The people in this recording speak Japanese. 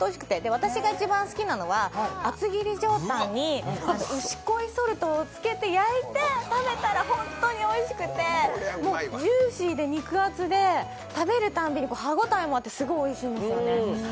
私が一番好きなのは厚切り上タンに牛恋ソルトを付けて食べたら本当においしくて、ジューシーで肉厚で食べるたんびに歯応えもあってすごくおいしいんですよね。